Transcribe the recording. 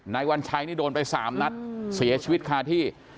วัญชัยนี่โดนไป๓นัดเสียชีวิตคาที่